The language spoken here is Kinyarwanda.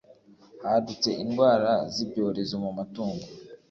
Hadutse indwara z’ibyorezo mu matungo